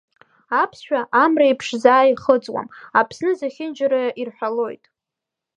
Аԥсшәа, амреиԥш заа ихыҵуам, Аԥсны зехьынџьара ирҳәалоит!